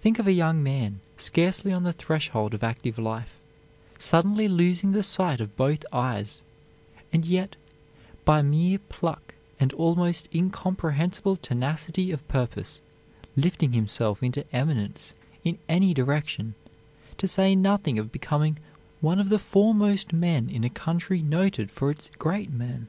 Think of a young man, scarcely on the threshold of active life, suddenly losing the sight of both eyes and yet by mere pluck and almost incomprehensible tenacity of purpose, lifting himself into eminence in any direction, to say nothing of becoming one of the foremost men in a country noted for its great men!